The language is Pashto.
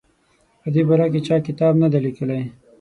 په دې باره کې چا کتاب نه دی لیکلی.